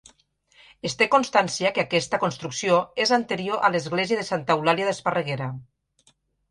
Es té constància que aquesta construcció és anterior a l'església de Santa Eulàlia d'Esparreguera.